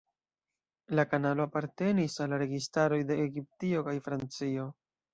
La kanalo apartenis al la registaroj de Egiptio kaj Francio.